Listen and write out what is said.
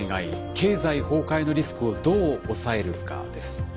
経済崩壊のリスクをどう抑えるかです。